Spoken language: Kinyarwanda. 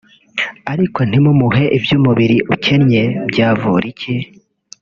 ariko ntimumuhe ibyo umubiri ukennye byavura iki